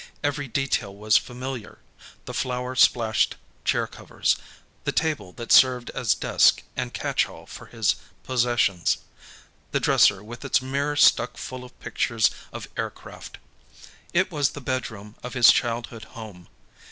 Every detail was familiar: the flower splashed chair covers; the table that served as desk and catch all for his possessions; the dresser, with its mirror stuck full of pictures of aircraft. It was the bedroom of his childhood home.